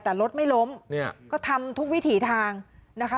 แต่รถไม่ล้มเนี่ยก็ทำทุกวิถีทางนะคะ